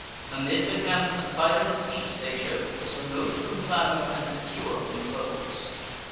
Amid the camp a silent seat they chose, Remote from clamour, and secure from foes.